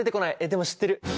でも知ってる！